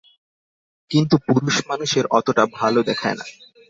কিন্তু পুরুষ মানুষের অতটা ভালো দেখায় না।